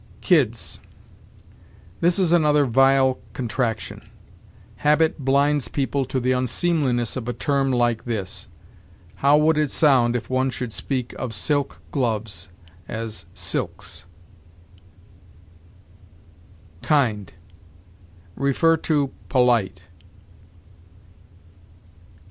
KIDS. "This is another vile contraction. Habit blinds people to the unseemliness of a term like this. How would it sound if one should speak of silk gloves as silks?" KIND. See POLITE.